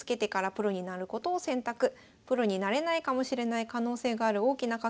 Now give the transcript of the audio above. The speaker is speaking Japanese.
プロになれないかもしれない可能性がある大きな懸けは当時衝撃でした。